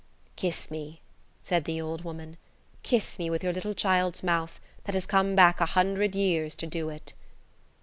"Kiss me," said the old woman,–"kiss me with your little child's mouth, that has come back a hundred years to do it."